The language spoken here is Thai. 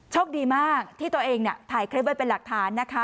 โชคดีมากที่ตัวเองถ่ายคลิปไว้เป็นหลักฐานนะคะ